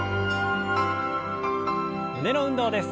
胸の運動です。